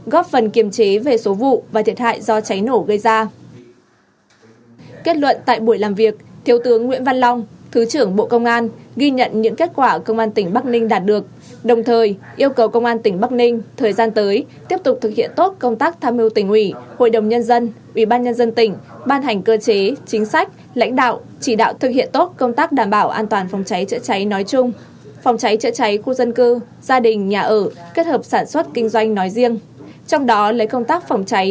kết luận tại buổi làm việc thiếu tướng nguyễn văn long thứ trưởng bộ công an ghi nhận những kết quả công an tỉnh bắc ninh đạt được đồng thời yêu cầu công an tỉnh bắc ninh thời gian tới tiếp tục thực hiện tốt công tác tham mưu tỉnh ủy hội đồng nhân dân ủy ban nhân dân tỉnh ban hành cơ chế chính sách lãnh đạo chỉ đạo thực hiện tốt công tác đảm bảo an toàn phòng cháy chữa cháy nói chung phòng cháy chữa cháy khu dân cư gia đình nhà ở kết hợp sản xuất kinh doanh nói riêng trong đó lấy công tác phòng cháy